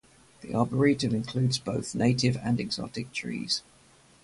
The arboretum includes both native and exotic trees.